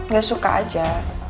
gak suka aja